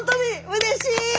うれしい！